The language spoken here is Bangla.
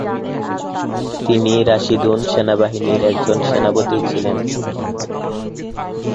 তিনি রাশিদুন সেনাবাহিনীর একজন সেনাপতি ছিলেন।